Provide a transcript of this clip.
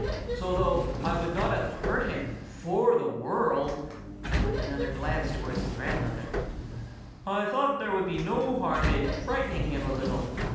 "So, though I would not have hurt him for the world" (with another glance towards the grandmother), "I thought there would be no harm in frightening him a little.